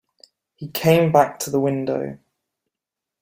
He came back to the window.